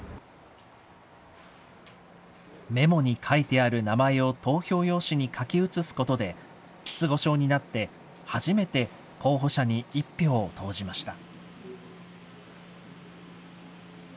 メモに書いてある名前を投票用紙に書き写すことで、失語症になって初めて候補者に１票を投じました。